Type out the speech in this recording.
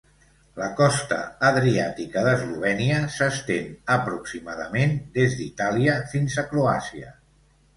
La costa adriàtica d'Eslovènia s'estén aproximadament des d'Itàlia fins a Croàcia.